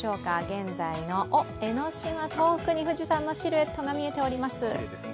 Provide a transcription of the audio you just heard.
現在の江の島、遠くに富士山のシルエットが見えております。